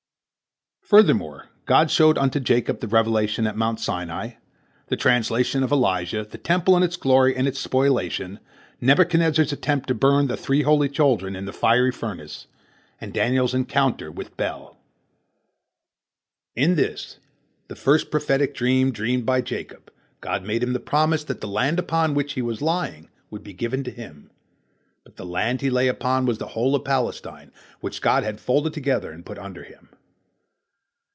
" Furthermore, God showed unto Jacob the revelation at Mount Sinai, the translation of Elijah, the Temple in its glory and in its spoliation, Nebuchadnezzar's attempt to burn the three holy children in the fiery furnace, and Daniel's encounter with Bel. In this, the first prophetic dream dreamed by Jacob, God made him the promise that the land upon which he was lying would be given to him, but the land he lay upon was the whole of Palestine, which God had folded together and put under him.